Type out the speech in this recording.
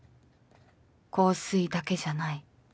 「香水だけじゃない。